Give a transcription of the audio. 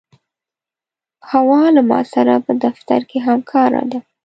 حوا له ما سره په دفتر کې همکاره ده.